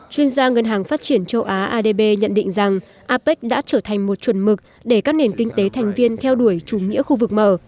chuyên gia ngân hàng phát triển châu á adb nhận định rằng apec đã trở thành một chuẩn mực để các nền kinh tế thành viên theo đuổi chủ nghĩa khu vực mở